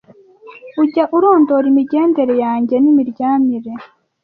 Ujya urondora imigendere yanjye n’imiryamire